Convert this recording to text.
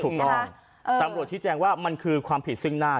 ตำรวจชี้แจงว่ามันคือความผิดซึ่งหน้า